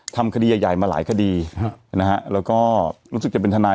ทำคดีใหญ่มาหลายคดีนะฮะแล้วก็รู้สึกจะเป็นทนาย